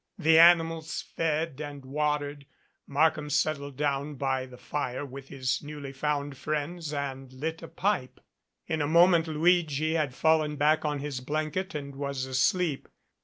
The animals fed and watered, Markham settled down by the fire with his newly found 147 MADCAP friend and lit a pipe. In a moment Luigi had fallen back on his blanket and was asleep.